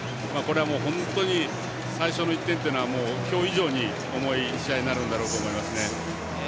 本当に最初の１点というのは今日以上に重い試合になるんだろうと思います。